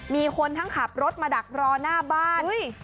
มีคนทั้งขับรถมาดักรอหน้าบ้าน